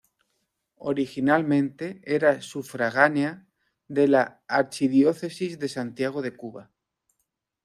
Originalmente era sufragánea de la arquidiócesis de Santiago de Cuba.